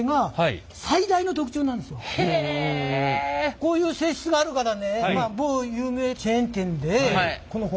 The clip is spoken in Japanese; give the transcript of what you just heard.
こういう性質があるからね